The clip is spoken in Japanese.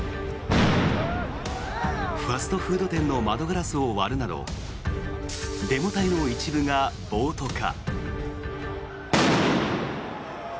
ファストフード店の窓ガラスを割るなどデモ隊の一部が暴徒化。